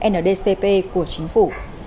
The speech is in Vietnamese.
hai nghìn hai mươi ndcp của chính phủ